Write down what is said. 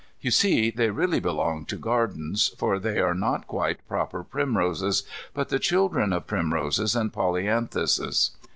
You see, they really belong to gardens, for they are not quite proper primroses, but the children of primroses and polyanthuses.